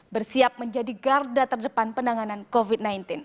bersiap menjadi garda terdepan penanganan covid sembilan belas